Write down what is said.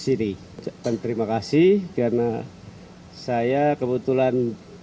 saya ingin mengucapkan terima kasih karena saya kebetulan